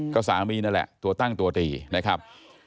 ก็สามีนั่นแหละตัวตั้งตัวตีนะครับ